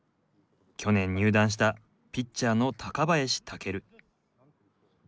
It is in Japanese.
去年入団したピッチャーの高林翔。